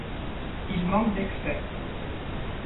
Il manque d’excès.